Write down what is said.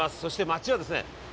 そして街はですね